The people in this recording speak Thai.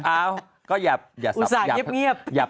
เอ้าก็อย่าพักพลอยสิอุตส่ายเงียบ